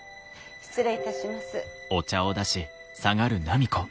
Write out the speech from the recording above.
失礼いたします。